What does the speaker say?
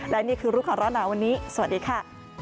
และนี่คือลูกของเราณวันนี้สวัสดีค่ะ